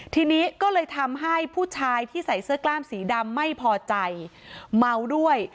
ทีนี้ก็เลยทำให้ผู้ชายที่ใส่เสื้อกล้ามสีดำไม่พอใจเมาด้วย